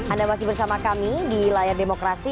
anda masih bersama kami di layar demokrasi